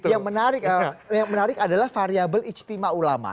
ya yang menarik adalah variabel istimewa ulama